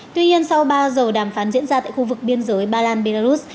tuy nhiên sau ba giờ đàm phán diễn ra tại khu vực biên giới ba lan belarus